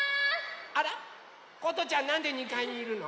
あら？ことちゃんなんで２かいにいるの？